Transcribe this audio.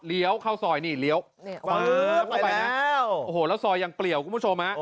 เดี๋ยวเข้าซอยนี่เลี้ยวแล้วซอยยังเปรียวคุณผู้ชมฮะ